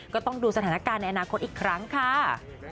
ก็ต้องดูสถานการณ์ในอนาคตอีกครั้งค่ะ